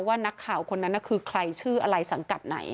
ว่านักข่าวคนนั้นคือใครชื่ออะไรสังกัดไหน